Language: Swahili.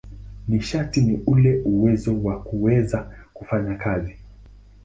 Nishati ni ule uwezo wa kuweza kufanya kazi.